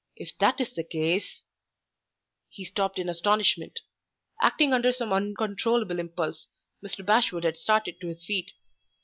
If that is the case " He stopped in astonishment. Acting under some uncontrollable impulse, Mr. Bashwood had started to his feet.